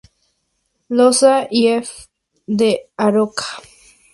Loza y F. de Aroca.